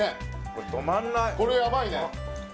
これやばいね